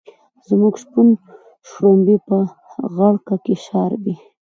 زموږ شپون شړومبی په غړکه کې شاربي.